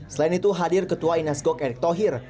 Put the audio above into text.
selain itu hadir ketua inas gok erick thohir